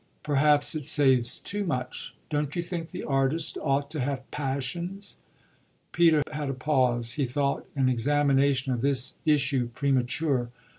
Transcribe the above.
"Perhaps it saves too much. Don't you think the artist ought to have passions?" Peter had a pause; he thought an examination of this issue premature.